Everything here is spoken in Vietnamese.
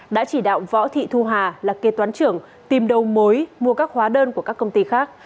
đã chỉ đạo võ thị thu hà là kê toán trưởng tìm đầu mối mua các hóa đơn của các công ty khác